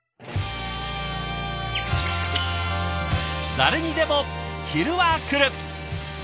誰にでも昼はくる。